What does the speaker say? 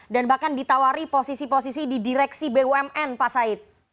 dan bahkan ditawari posisi posisi di direksi bumn pak said